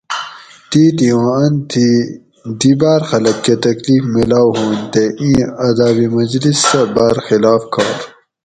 تیتھی اوں ان تھی دی باۤر خلق کہ تکلیف میلاؤ ہُوانت تے اِیں اداب مجلس سہ باۤر خلاف کار